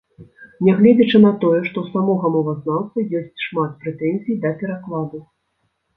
Нягледзячы на тое, што ў самога мовазнаўцы ёсць шмат прэтэнзій да перакладу.